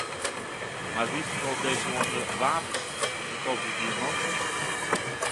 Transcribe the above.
Maar wie verkoopt deze landen wapens en koopt die diamanten?